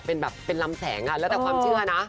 เป็นแบบเป็นลำแสงแล้วแต่ความเชื่อนะ